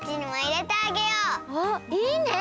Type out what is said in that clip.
あいいね！